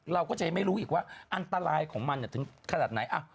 เราก็จะยังไม่รู้อีกว่าอันตรายของมันถึงขนาดไหน